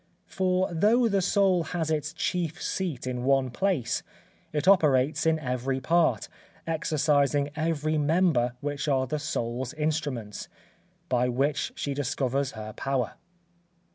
For though the soul has its chief seat in one place, it operates in every part, exercising every member which are the soul's instruments, by which she discovers her power.